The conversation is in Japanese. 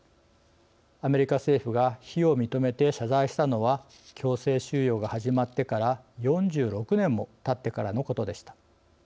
アメリカ政府が非を認めて謝罪したのは強制収容が始まってから４６年もたってからのことでした。